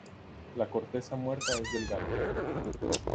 La corteza muerta es delgada.